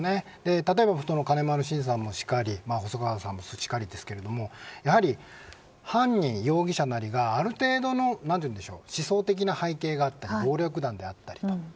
例えば金丸信さんもしかり細川さんもしかりですが犯人、容疑者なりがある程度の思想的な背景があって暴力団であったりと。